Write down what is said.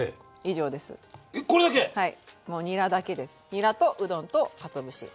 にらとうどんとかつお節。